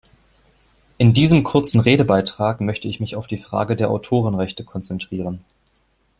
In diesem kurzen Redebeitrag möchte ich mich auf die Frage der Autorenrechte konzentrieren.